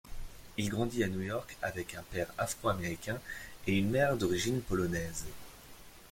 Il grandit à New York avec un père afro-américain et une mère d'origine polonaise.